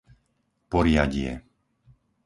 Poriadie